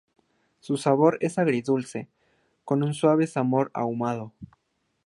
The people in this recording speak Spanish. Su sabor es agridulce con un suave sabor a ahumado.